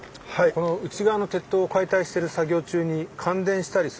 この内側の鉄塔を解体している作業中に感電したりすることはないんですか？